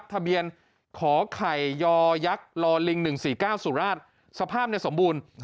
ทะเบียนขอไข่ยอยักษ์ลอลิง๑๔๙สุราชสภาพสมบูรณ์